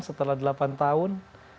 setelah delapan tahun